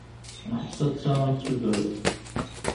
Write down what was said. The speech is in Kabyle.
Neḥsa d ta i tudert.